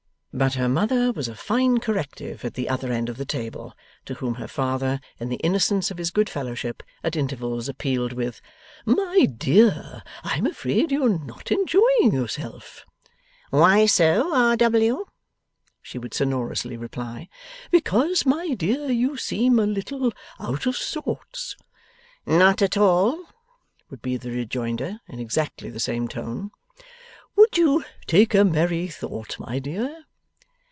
But her mother was a fine corrective at the other end of the table; to whom her father, in the innocence of his good fellowship, at intervals appealed with: 'My dear, I am afraid you are not enjoying yourself?' 'Why so, R. W.?' she would sonorously reply. 'Because, my dear, you seem a little out of sorts.' 'Not at all,' would be the rejoinder, in exactly the same tone. 'Would you take a merry thought, my dear?